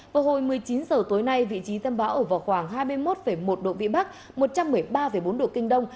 vào hồi một mươi chín h tối nay vị trí tâm bão ở vào khoảng hai mươi một một độ vĩ bắc một trăm một mươi ba bốn độ kinh đông